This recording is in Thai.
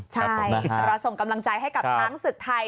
ใช่เราส่งกำลังใจให้กับช้างศึกไทย